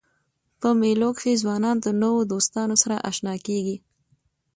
په مېلو کښي ځوانان د نوو دوستانو سره اشنا کېږي.